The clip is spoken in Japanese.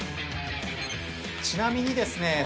ちなみにですね